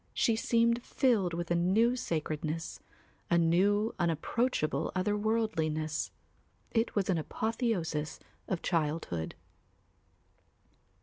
She seemed filled with a new sacredness, a new unapproachable otherworldliness; it was an apotheosis of childhood.